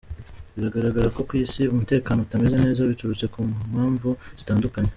Biragaragara ko ku isi umutekano utameze neza biturutse ku mpamvu zitandukanye.